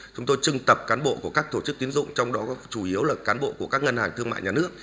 chúng tôi trưng tập cán bộ của các tổ chức tiến dụng trong đó có chủ yếu là cán bộ của các ngân hàng thương mại nhà nước